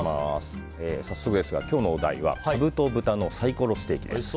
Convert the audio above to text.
早速ですが、今日のお題はカブと豚のサイコロステーキです。